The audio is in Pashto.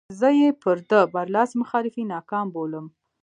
زه یې پر ده برلاسي مخالفین ناکام بولم.